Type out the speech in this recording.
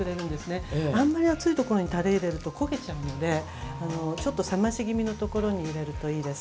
あんまり熱いところにタレ入れると焦げちゃうのでちょっと冷まし気味のところに入れるといいです。